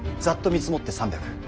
ざっと見積もって３００。